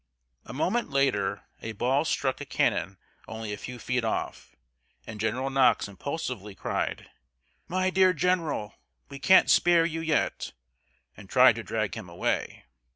A moment later a ball struck a cannon only a few feet off, and General Knox impulsively cried, "My dear general, we can't spare you yet!" and tried to drag him away.